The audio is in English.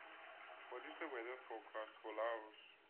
What is the weather forecast for Laos